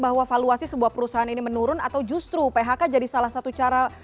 bahwa valuasi sebuah perusahaan ini menurun atau justru phk jadi salah satu cara